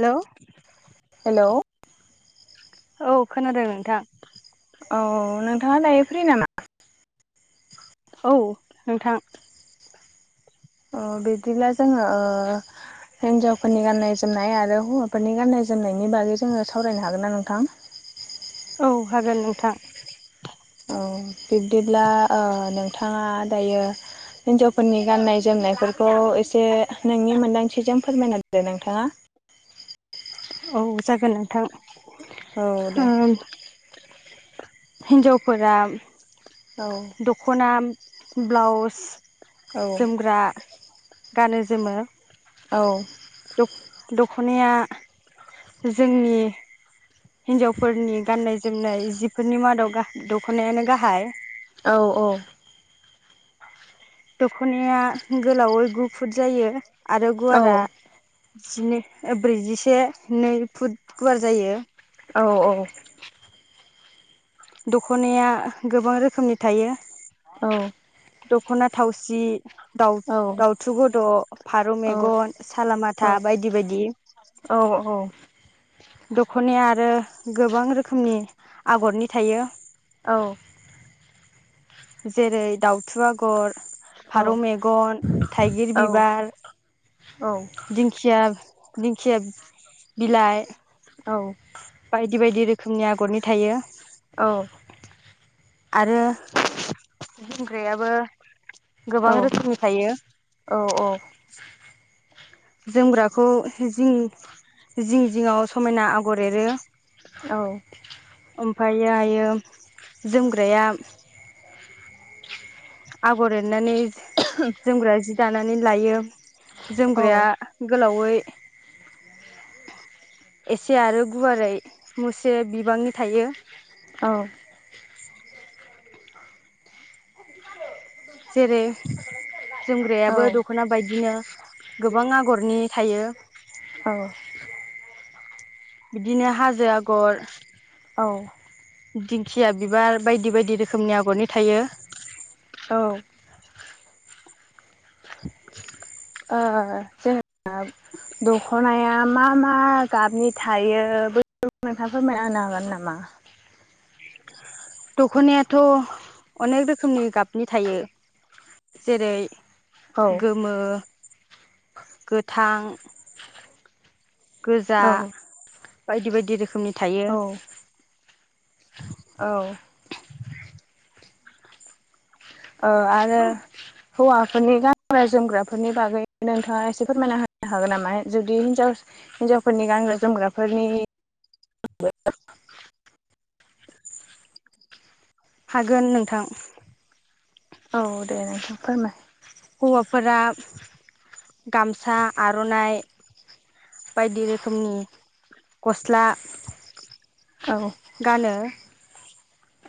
हेल' hello औ खोनादों नोंथां औ नोंथाङा दायो फ्रि नामा? औ नोंथां बिदिब्ला जोङो हिनजावफोरनि गाननाय जोमनाय आरो हौवाफोरनि गाननाय जोमनायनि बागै जोङो सावरायनो हागोन ना नोंथां? [inaudible] औ हागोन नोंथां। औ बिब्दिब्ला नोंथाङा दायो हिनजावफोरनि गान्नाय जोमनायफोरखौ एसे नोंनि मोनदांथिजों फोरमायना होदो नोंथाङा औ जागोन नोंथां। औ दे हिनजावफोरा औ दख'ना ब्लाउस औ जोमग्रा गानो जोमो औ। दख'नाया जोंनि हिनजावफोरनि गान्नाय जोमनाय जिफोरनि मादाव दख'नायानो गाहाय औ औ। दख'नाया गोलावै गु फुट जायो आरो औ गुवारा जि ब्रैजिसे नै फुट गुवार जायो। औ औ औ दख'नाया गोबां रोखोमनि थायो। औ दख'ना थावसि दाउ दाउथु गोद' फारौ औ मेगन औ सालामाथा बायदि बायदि। औ औ दख'नाया आरो गोबां रोखोमनि आगरनि थायो। औ। जेरै दाउथु आगर फारौ मेगन थाइगिर बिबार औ दिंखिया दिंखिया बिलाइ औ। बायदि बायदि रोखोमनि आगरनि थायो। औ। आरो बुंग्रायाबो। औ गोबां रोखोमनि थायो। औ औ। जोमग्राखौ जिं जिं जिङाव समायना आगर एरो। औ। ओमफायो आयो जोमग्राया। आगर एरनानै जोमग्रा जि दानानै लायो। औ जोमग्राया गोलावै। एसे आरो गुवारै मुसे बिबांनि थायो। औ। जेरै जोमग्रायाबो दख'ना बायदिनो गोबां आगरनि थायो। बिदिनो हाजो आगर। औ दिंखिया बिबार बायदि बायदि रोखोमनि आगरनि थायो। औ। ओ जेनेबा दखनाया मा मा गाबनि थायो। नोंथाङा फोरमायनानो हागोन नामा। दखनायाथ' अनेक रोखोमनि गाबनि थायो जेरै औ गोमो गोथां। गोजा औ बायदि बायदि रोखोमनि थायो। औ औ। ओ आरो हौवाफोरनि गानग्रा जोमग्राफोरनि बागै नोंथाङा एसे फोरमायना हो हागोन नामा जुदि हिनजाव हिनजावफोरनि गानग्रा जोमग्राफोरनि [unintelligible] हागोन नोंथां। औ दे नोंथां फोरमाय। हौवाफोरा गामसा आर'नाइ। बायदि रोखोमनि गस्ला। औ गानो।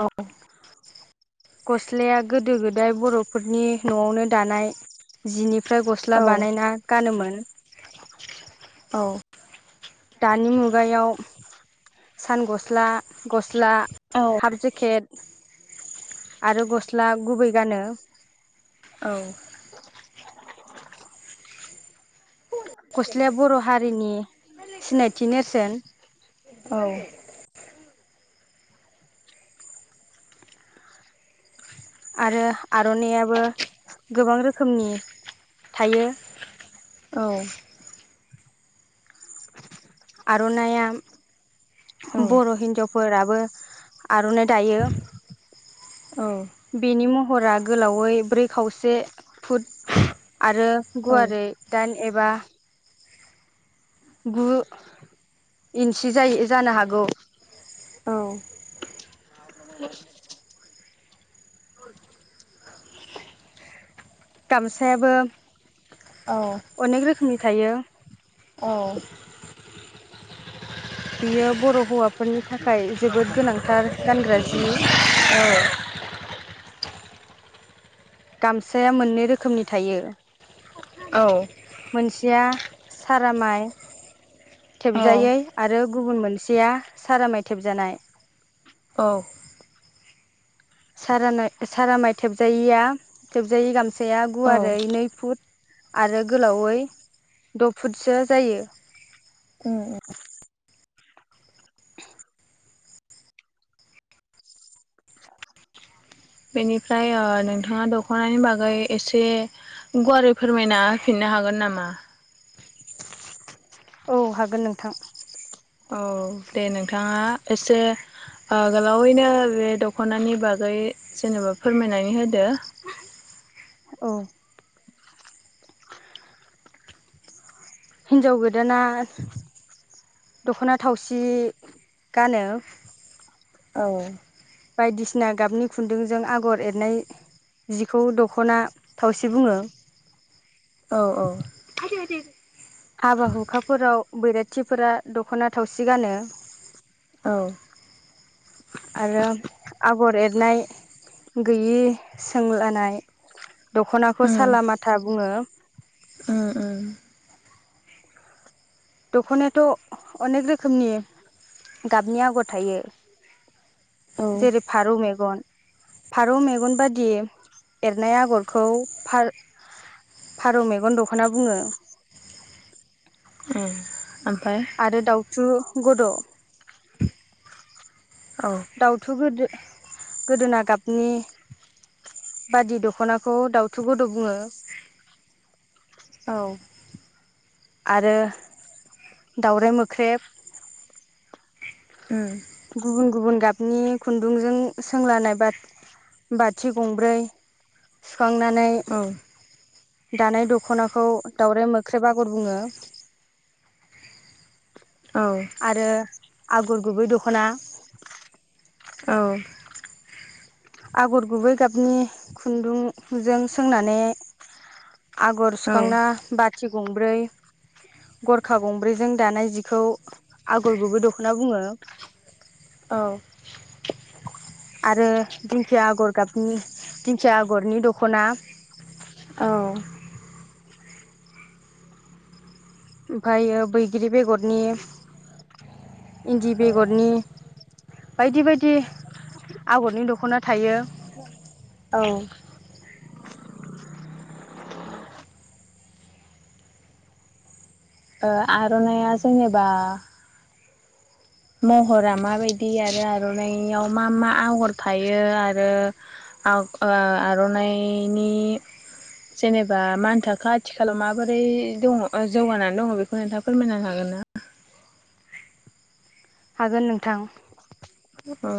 औ। गस्लाया गोदो गोदाय बर'फोरनि न'आवनो दानाय जिनि। फ्राय गस्ला औ बानायना गानोमोन। औ। दानि मुगायाव सान गस्ला गस्ला। औ हाफ जेकेट आरो गस्ला गुबै गानो। औ। गस्लाया बर' हारिनि सिनायथि नेरसोन। औ। आरो आर'नाइआबो गोबां रोखोमनि थायो। औ। आरनाइआ। औ बर' हिनजावफोराबो आर'नाइ दायो। औ बेनि महरा गोलावै ब्रै खावसे फुट। आरो औ गुवारै दाइन एबा। गु इन्सि जायो जानो हागौ। [inaudible] गामसायाबो औ अनेक रोखोमनि थायो। बियो बर' हौवाफोरनि थाखाय जोबोद गोनांथार गानग्रा जि। [inaudible] गामसाया मोननै रोखोमनि थायो। औ। मोनसेया सारा माइ। औ थेबजायै आरो गुबुन मोनसेया सारामाय थेबजानाय। औ। सारा सारा माइ थेबजायिया थेबजायि गामसाया औ गुवारै नै फुट। आरो गोलावै द' फुटसो जायो। उम। बेनिफ्राय ओ नोंथाङा दख'नानि बागै एसे गुवारै फोरमायना होफिननो हागोन नामा? औ हागोन नोंथां। औ दे नोंथाङा एसे ओ गोलावैनो बे दख'नानि बागै जेनेबा फोरमायनानै होदो। [inaudible] औ। हिनजाव गोदाना दख'ना थावसि गानो। औ बायदिसिना गाबनि खुन्दुंजों आगर एरनाय जिखौ दख'ना थावसे बुङो। औ औ [unintelligible] हाबा हुखाफोराव बैराथिफोरा दख'ना थावसि गानो। औ आरो आगर एर नाय गैयि सोंलानाय दख'नाखौ उम साला माथा बुङो। उम उम दख'नायाथ' अनेक रोखोमनि गाबनि आगर थायो जेरै उम फारौ मेगन। फारौ मेगन बायदि एरनाय आगरखौ फार फारौ मेगन दख'ना बुङो। [inaudible] उम आरो दाउथु गद'। औ दाउथु गोदो गोदोना गाबनि। बादि दख'नाखौ दाउथु गुद' बुङो। औ आरो दावराय मोख्रेब। ओ। गुबुन गुबुन गाबनि खुन्दुंजों सोंलानाय बा बाथि गंब्रै सुखांनानै औ दानाय दख'नाखौ दावराइ मोख्रेब आगर बुङो। औ आरो आगर गुबै दख'ना औ। आगर गुबै गाबनि खुन्दुंजों सोंनानै आगर सुखांना औ बाथि गंब्रै गरखा गंब्रैजों दानाय जिखौ आगर गुबै दख'ना बुङो। औ। आरो दिंखिया आगर गाबनि दिंखिया आगरनि दख'ना औ ओमफ्रायो बैग्रि बेगरनि इन्दि बेगरनि बायदि बायदि आगरनि दख'ना थायो दं आर'नाइया जेनेबा महरा माबायदि आरो आर'नाइयाव मा मा आगर थायो आरो आं ओआर'नाइनि जेनेबा मा होन थाखो आथिखालाव माबोरै दङ जौगानानै दङ बेखौ नोंथाङा फोरमायनो हागोन ना [inaudible] हागोन नोंथां अ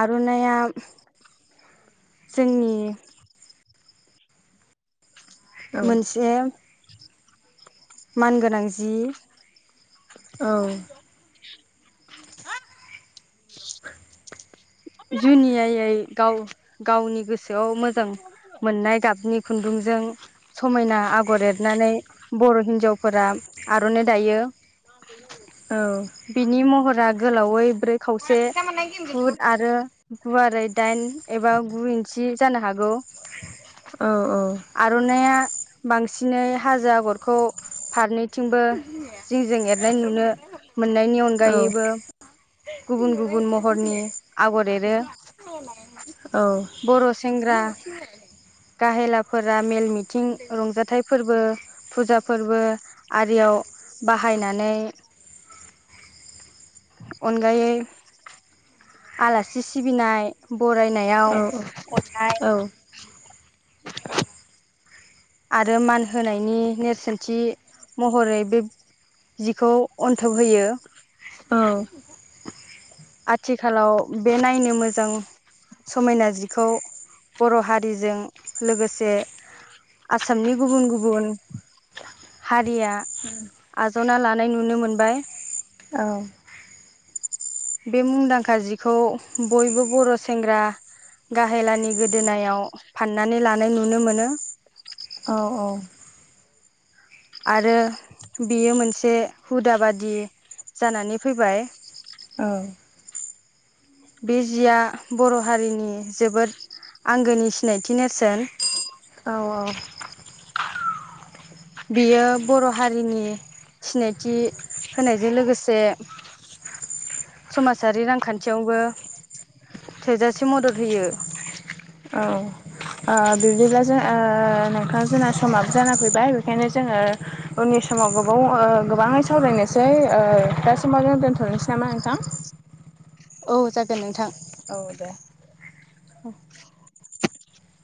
आर'नायइया जोंनि औ मोनसे मानगोनां जि औ [unintelligible] जुनियायै गाव गावनि गोसोआव मोजां मोननाय गाबनि खुन्दुं जों समायना आगर एरनानै बर' हिन्जावफोरा आर'नाइ दायो औ बिनि महरा गोलावै ब्रै खावसे फुट आरो गुवारै दाइन एबा गु इन्सि जानो हागौ औ आर'नायइया बांसिनै हाजो आगरखौ फारनै थिंबो जिं ज एरनाय नुनो मोननायनि औ अनगायैबो गुबुन गुबुन महरनि आगर एरो बर' सेंग्रा औ गाहेलाफोरा मेल मिथिं रंजाथाइ फोरबो फुजा फोरबो आरियाव बाहायनानै अनगायै आलासि सिबिनाय फरायनायाव औ औ अननाय आरो मान होनायनि नेरसोनथि महरै बे जिखौ अन्थोब होयो [unintelligible] आथिखालाव बे नायनो मोजां समायना जिखौ बर' हारिजों लोगोसे आसामनि गुबुन गुबुन हारिया आजावना लानाय नुनो मोनबाय औ बे मुंदांखा जिखौ बयबो बर' सेंग्रा गाहेलानि गोदोनायाव फाननानै लानाय नुनो मोनो औ औ आरो बियो मोनसे हुदा बादि जानानै फैबाय औ बे जिया बर' हारिनि जोबोद आंगोनि सिन हिनायथि नेरसोन औ औ बियो बर' हारिनि सिनायथि होनायजों लोगोसे समाजारि रां खान्थियावबो थोजासे मदद होयो औ ओ बिब्दिब्ला जों ओ नोंथां जोंना समप जाना फैबाय बेखायनो जोङो उननि समाव गोबाव गोबाङै सावरायनोसै दा समाव जों दोन्थ'नोसै नामा नोंथां [inaudible] औ जागोन नोंथां। औ दे। औ